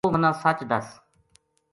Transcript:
توہ منا سچ دس ‘‘